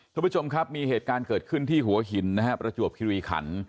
ทุกผู้ชมครับมีเหตุการณ์เกิดขึ้นที่หัวหินนะฮะประจวบคิริขัน